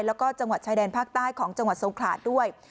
แล้วก็จังหวัดชายแดนภาคใต้ของจังหวัดทรงขลาด้วย